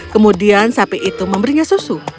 kemudian sapi itu memberinya susu